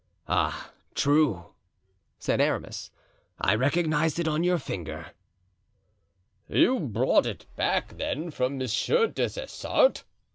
"Ah, true," said Aramis. "I recognized it on your finger." "You bought it back, then, from Monsieur des Essarts?"